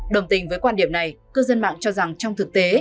đồng tình với quan điểm này cư dân mạng cho rằng trong thực tế